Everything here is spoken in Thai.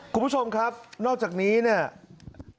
คุณผู้ชมครับนอกจากนี้เนี่ย